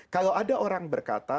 kalau ada orang berkata